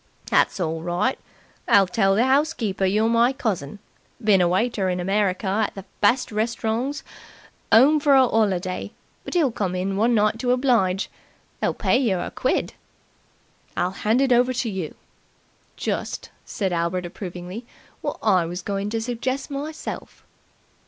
"That's orl right. I'll tell the 'ousekeeper you're my cousin been a waiter in America at the best restaurongs 'ome for a 'oliday, but'll come in for one night to oblige. They'll pay yer a quid." "I'll hand it over to you." "Just," said Albert approvingly, "wot I was goin' to suggest myself."